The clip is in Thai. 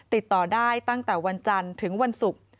ติดต่อได้ตั้งแต่วันจันทร์ถึงวันศุกร์